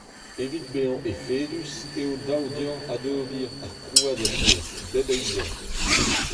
Evit bezañ efedus eo dav deoc'h adober ar prouad alies, bep eil bloaz.